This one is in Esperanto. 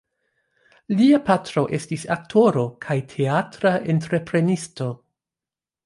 Lia patro estis aktoro kaj teatra entreprenisto.